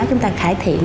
chúng ta cải thiện